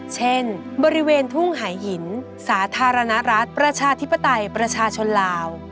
เช่นบริเวณทุ่งหายหินสาธารณรัฐประชาธิปไตยประชาชนลาว